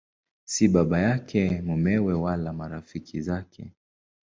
Si baba yake, mumewe wala marafiki zake.